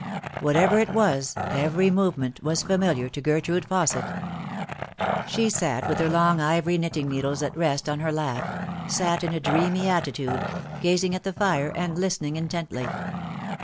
Whatever it was, every movement was familiar to Gertrude Fausset. She sat with her long ivory knitting needles at rest on her lap sat in a dreamy attitude, gazing at the fire and listening intently.